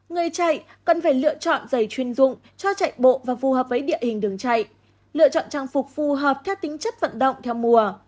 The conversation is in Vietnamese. người chạy cần phải lựa chọn dày chuyên dụng cho chạy bộ và phù hợp với địa hình đường chạy lựa chọn trang phục phù hợp theo tính chất vận động theo mùa